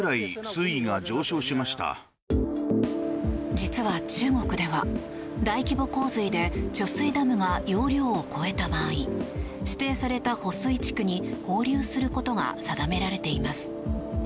実は中国では大規模洪水で貯水ダムが容量を超えた場合指定された保水地区に放流することが定められています。